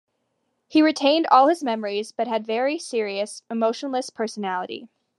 He retained all his memories but had a very serious, emotionless personality.